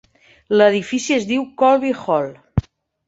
L'edifici es diu Colby Hall.